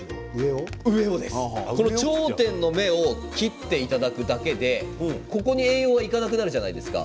頂点の芽を切っていただくだけで上に栄養がいかなくなるじゃないですか。